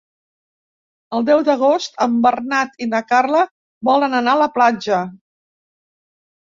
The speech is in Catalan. El deu d'agost en Bernat i na Carla volen anar a la platja.